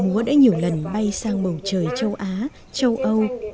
múa đã nhiều lần bay sang màu trời châu á châu âu